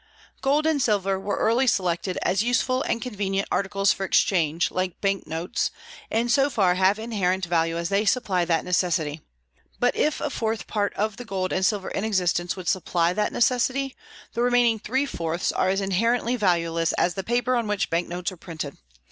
Gold and silver were early selected as useful and convenient articles for exchange, like bank notes, and so far have inherent value as they supply that necessity; but if a fourth part of the gold and silver in existence would supply that necessity, the remaining three fourths are as inherently valueless as the paper on which bank notes are printed.